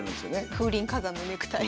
風林火山のネクタイ。